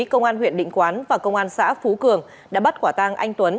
công an huyện định quán và công an xã phú cường đã bắt quả tang anh tuấn